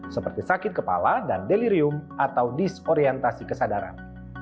seperti sakit kepala dan delirium atau disorientasi kesadaran